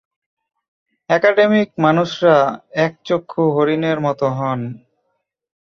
Academic মানুষরা একচক্ষু হরিণের মতো হন।